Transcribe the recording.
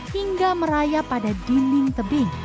hingga merayap pada dinding tebing